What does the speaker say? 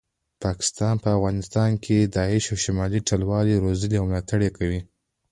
پاکستان په افغانستان کې داعش او شمالي ټلوالي روزي او ملاټړ یې کوي